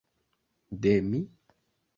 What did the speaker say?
De mi?